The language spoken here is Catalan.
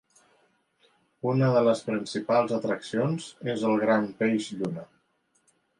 Una de les principals atraccions és el gran peix lluna.